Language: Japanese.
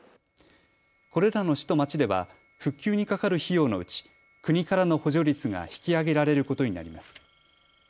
これらの市と町では復旧にかかる費用のうち、国からの補助率が引き上げられることになります。